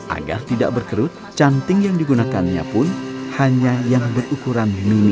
agar tidak berkerut canting yang digunakannya pun hanya yang berukuran mini